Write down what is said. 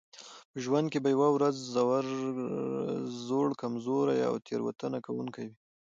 په ژوند کې به یوه ورځ زوړ کمزوری او تېروتنه کوونکی وئ.